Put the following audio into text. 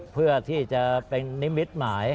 เพื่อที่จะเป็นนิมิตหมาย